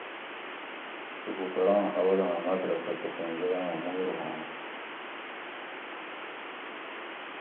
لوکوٹوراں اولاں مدرسہ تسیں ییاں مُور ہُواں